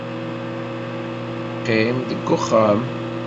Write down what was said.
Qqim deg uxxam.